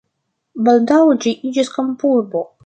Baldaŭe ĝi iĝis kampurbo.